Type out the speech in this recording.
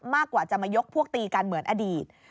มากกว่าจะมายกพวกตีกันเหมือนอดีต